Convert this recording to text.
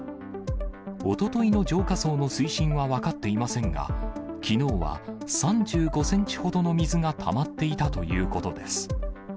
おとといの浄化槽の水深は分かっていませんが、きのうは３５センチほどの水がたまっていたということです。